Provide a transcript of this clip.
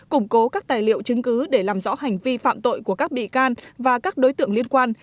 củng cố các tài liệu chứng cứ để làm rõ hành vi phạm tội của các bị can và các đối tượng liên quan